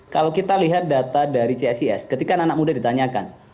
kalau kita lihat data dari csis ketika anak anak muda ditanyakan